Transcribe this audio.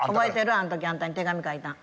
あんときあんたに手紙書いたん。